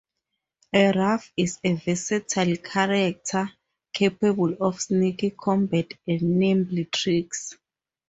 A rogue is a versatile character, capable of sneaky combat and nimble tricks.